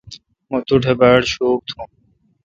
مہ توٹھ باڑ شوک تھون۔